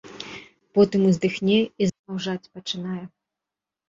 Потым уздыхне і зноў жаць пачынае.